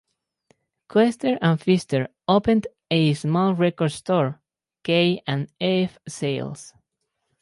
Koester and Fister opened a small record store, K and F Sales.